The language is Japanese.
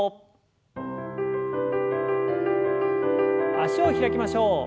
脚を開きましょう。